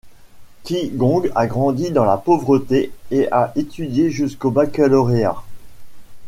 Qi Gong a grandi dans la pauvreté et a étudié jusqu'au baccalauréat.